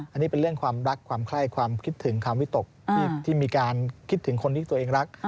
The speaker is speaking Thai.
อันนี้เป็นเรื่องความรักความไคร้ความคิดถึงความวิตกที่มีการคิดถึงคนที่ตัวเองรัก